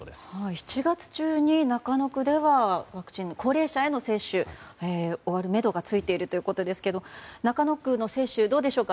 ７月中に中野区ではワクチンの高齢者への接種が終わるめどがついているということですけども中野区の接種、どうでしょうか。